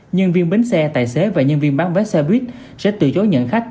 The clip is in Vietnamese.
nhân viên bến xe tài xế và nhân viên bán vé xe buýt sẽ từ chối nhận khách